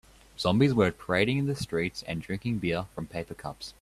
Zombies were parading in the streets and drinking beer from paper cups.